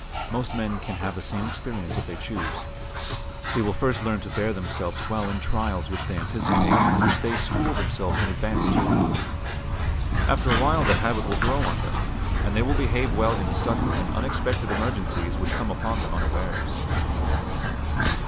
Most men can have the same experience if they choose. They will first learn to bear themselves well in trials which they anticipate and which they school themselves in advance to meet. After a while the habit will grow on them, and they will behave well in sudden and unexpected emergencies which come upon them unawares.